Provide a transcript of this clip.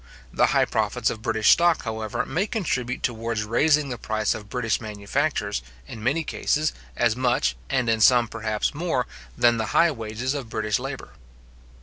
The high profits of British stock, however, may contribute towards raising the price of British manufactures, in many cases, as much, and in some perhaps more, than the high wages of British labour.